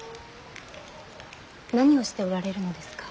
何をしておられるのですか。